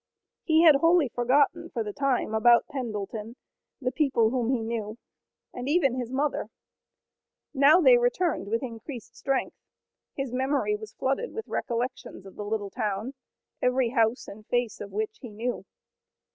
He had wholly forgotten for the time about Pendleton, the people whom he knew, and even his mother. Now they returned with increased strength. His memory was flooded with recollections of the little town, every house and face of which he knew.